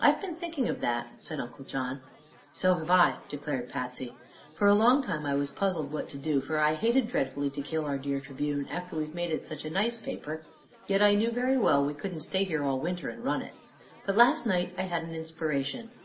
"I've been thinking of that," said Uncle John. "So have I," declared Patsy. "For a long time I was puzzled what to do, for I hated dreadfully to kill our dear Tribune after we've made it such a nice paper. Yet I knew very well we couldn't stay here all winter and run it. But last night I had an inspiration.